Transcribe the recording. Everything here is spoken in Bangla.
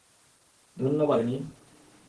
ধন্যবাদ, জনি।